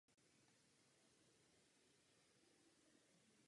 Kromě toho je schopen ulovit jakoukoliv kořist až do velikosti koně.